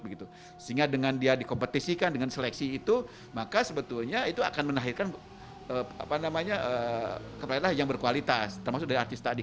sehingga dengan dia dikompetisikan dengan seleksi itu maka sebetulnya itu akan menaikkan kepala daerah yang berkualitas termasuk dari artis tadi